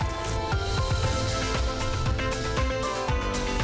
saya ingin menikmati perjalanan ini